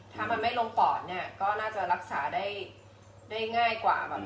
ถ้ามันไม่ลงปอดเนี่ยก็น่าจะรักษาได้ง่ายกว่าแบบ